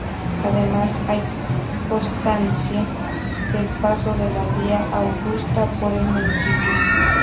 Además hay constancia del paso de la Vía Augusta por el municipio.